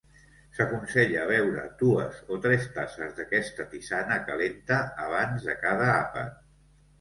S'aconsella beure dues o tres tasses d'aquesta tisana calenta abans de cada àpat.